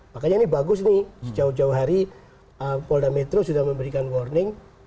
makanya ini bagus nih sejauh jauh hari polda metro sudah memberikan warning